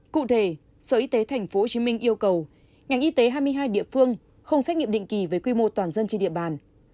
cụ thể sở y tế tp hcm yêu cầu ngành y tế hai mươi hai địa phương không xét nghiệm định kỳ về quy mô toàn dân trên địa bàn